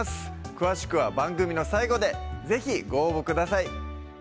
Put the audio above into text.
詳しくは番組の最後で是非ご応募ください